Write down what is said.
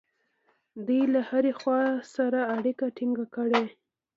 دوی له هرې خوا سره اړیکه ټینګه کړي.